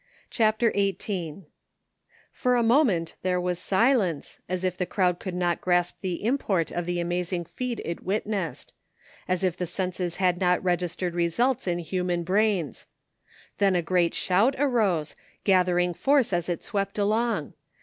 CHAPTER XVIII For a moment there was silence, as if the crowd could not grasp the import of the amazing feat it witnessed; as if senses had not yet registered results in human brains. Then a great shout arose, gathering force as it swept along.